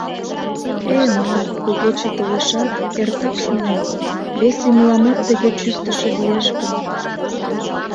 Э-э, ман, Кугече толешат, эртак шонем: вес ий мыламат тыге чӱктышӧ лиеш гын...